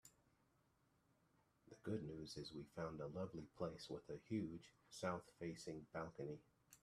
The good news is we found a lovely place with a huge south-facing balcony.